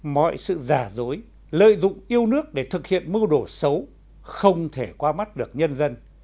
mọi sự giả dối lợi dụng yêu nước để thực hiện mưu đồ xấu không thể qua mắt được nhân dân